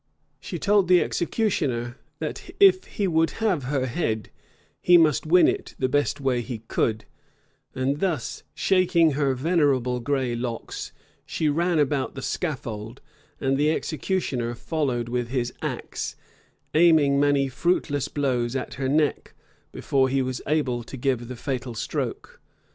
She told the executioner, that if he would have her head, he must win it the best way he could: and thus, shaking her venerable gray locks, she ran about the scaffold: and the executioner followed with his axe, aiming many fruitless blows at her neck, before he was able to give the fatal stroke.